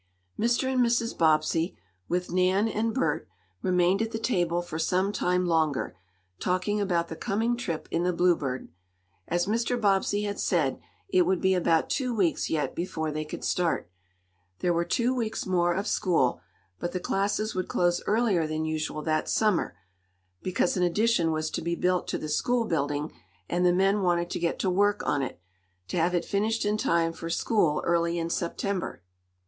Mr. and Mrs. Bobbsey, with Nan and Bert, remained at the table for some time longer, talking about the coming trip in the Bluebird. As Mr. Bobbsey had said, it would be about two weeks, yet, before they could start. There were two weeks more of school, but the classes would close earlier than usual that summer, because an addition was to be built to the school building, and the men wanted to get to work on it, to have it finished in time for school early in September.